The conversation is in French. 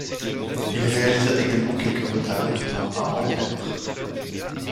Il réalisa également quelques retables peints à Anvers.